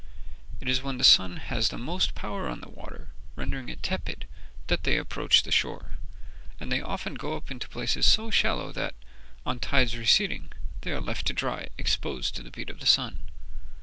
It is when the sun has the most power on the water, rendering it tepid, that they approach the shore; and they often go up into places so shallow that, on the tide's receding, they are left dry, exposed to the beat of the sun.